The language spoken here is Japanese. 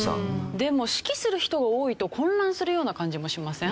でも指揮する人が多いと混乱するような感じもしません？